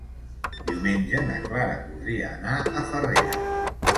Diumenge na Clara voldria anar a Farrera.